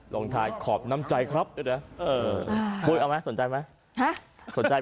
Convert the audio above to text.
ลองถ่ายขอบน้ำใจครับ